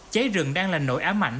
cháy rừng đang là nội ám ảnh